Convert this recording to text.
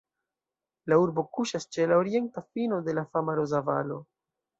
La urbo kuŝas ĉe la orienta fino de la fama Roza Valo.